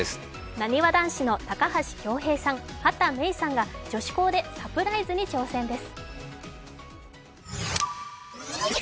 なにわ男子の高橋恭平、畑芽育さんが女子高でサプライズに挑戦です。